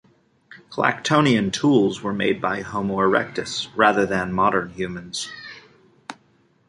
Clactonian tools were made by "Homo erectus" rather than modern humans.